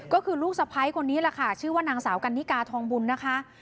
ก็คือลูกสะพ้ายคนนี้แหละค่ะชื่อว่านางสาวกันนิกาทองบุญนะคะ